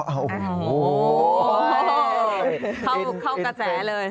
เข้ากระแจเลย